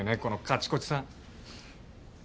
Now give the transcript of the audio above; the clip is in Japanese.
このかちこちさん。